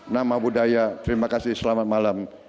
nama budaya terima kasih selamat malam